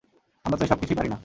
আমরা তো এসব কিছুই পারি না।